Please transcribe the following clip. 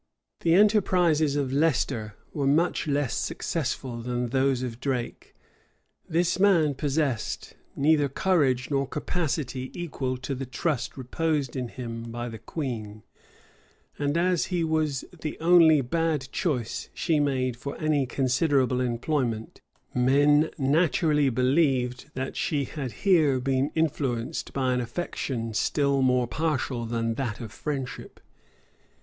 The enterprises of Leicester were much less successful than those of Drake. This man possessed neither courage nor capacity equal to the trust reposed in him by the queen; and as he was the only bad choice she made for any considerable employment, men naturally believed that she had here been influenced by an affection still more partial than that of friendship.